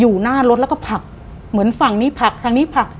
อยู่หน้ารถแล้วก็ผักเหมือนฝั่งนี้ผักทางนี้ผัก